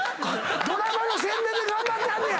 ⁉ドラマの宣伝で頑張ってはんねや！